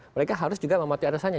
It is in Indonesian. mereka harus juga mematuhi alasannya